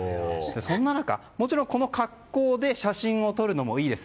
そんな中、もちろんこの格好で写真を撮るのもいいです。